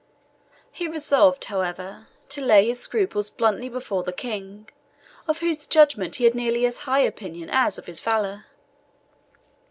He resolved, however, to lay his scruples bluntly before the King, of whose judgment he had nearly as high an opinion as of his valour.